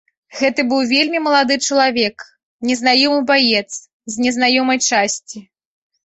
Гэта быў вельмі малады чалавек, незнаёмы баец з незнаёмай часці.